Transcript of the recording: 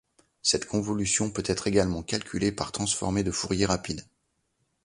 Cette convolution peut être également calculée par transformée de Fourier rapide.